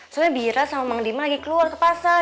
soalnya bira sama mang dima lagi keluar ke pasar